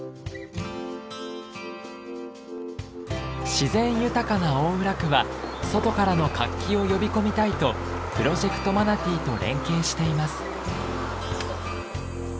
自然豊かな大浦区は外からの活気を呼び込みたいとプロジェクトマナティと連携しています。